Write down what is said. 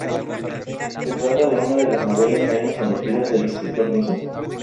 Se trata de una de las novelas menos conocidas del escritor ruso.